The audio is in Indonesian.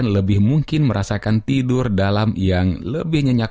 sembilan belas lebih mungkin merasakan tidur dalam yang lebih nyenyak